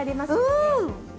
うん！